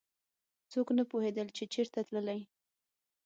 څوک نه پوهېدل چې چېرته تللی.